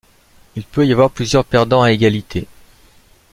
Il peut y avoir plusieurs perdants à égalité.